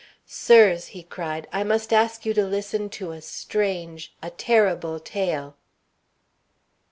"Sirs!" he cried, "I must ask you to listen to a strange, a terrible tale."